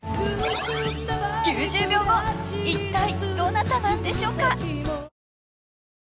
［９０秒後いったいどなたなんでしょうか］